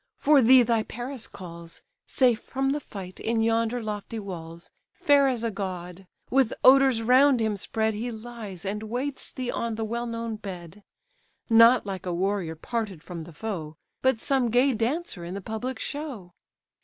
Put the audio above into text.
for thee thy Paris calls, Safe from the fight, in yonder lofty walls, Fair as a god; with odours round him spread, He lies, and waits thee on the well known bed; Not like a warrior parted from the foe, But some gay dancer in the public show."